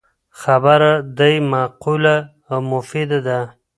خبره دی معقوله او مفیده ده